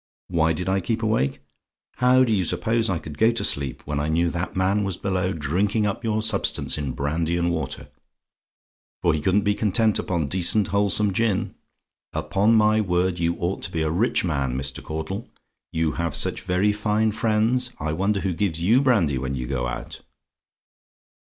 "WHY DID I KEEP AWAKE? "How do you suppose I could go to sleep when I knew that man was below drinking up your substance in brandy and water? for he couldn't be content upon decent, wholesome gin. Upon my word, you ought to be a rich man, Mr. Caudle. You have such very fine friends, I wonder who gives you brandy when you go out!